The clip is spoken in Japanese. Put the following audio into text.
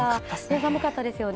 寒かったですよね。